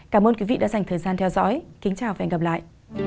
cảm ơn quý vị đã dành thời gian theo dõi kính chào và hẹn gặp lại